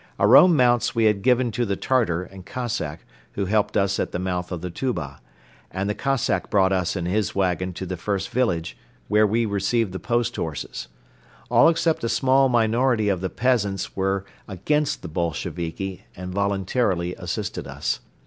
Our own mounts we had given to the Tartar and Cossack who helped us at the mouth of the Tuba, and the Cossack brought us in his wagon to the first village, where we received the post horses. All except a small minority of the peasants were against the Bolsheviki and voluntarily assisted us.